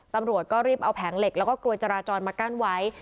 ตำรวจก็รีบเอาแผงเหล็กแล้วก็กลวยจราจรมากั้นไว้